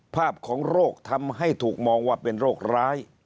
ภาพของโรคทำให้ถูกมองว่าเป็นโรคร้าย